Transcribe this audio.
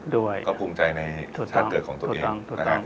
ด้วยก็ภูมิใจในชาติเกิดของตัวเองนะครับ